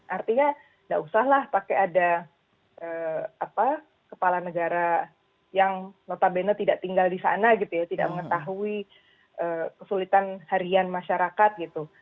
artinya nggak usah lah pakai ada kepala negara yang notabene tidak tinggal di sana gitu ya tidak mengetahui kesulitan harian masyarakat gitu